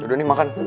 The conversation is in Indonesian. udah nih makan